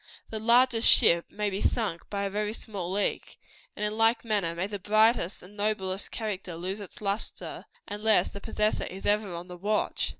The largest ship may be sunk by a very small leak; and in like manner, may the brightest and noblest character lose its lustre, unless the possessor is ever on the watch.